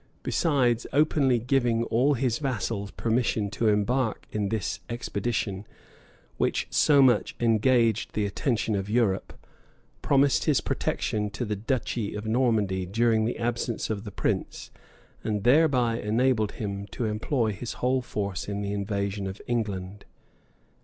besides openly giving all his vassals permission to embark in this expedition, which so much engaged the attention of Europe, promised his protection to the duchy of Normandy during the absence of the prince, and thereby enabled him to employ his whole force in the invasion of England.